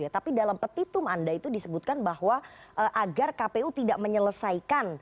tapi dalam petitum anda itu disebutkan bahwa agar kpu tidak menyelesaikan